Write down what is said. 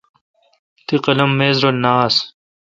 تی قلم میز رل نہ آس۔